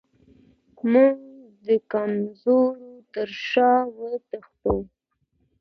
موږ د کمزورو تر شا وتښتو.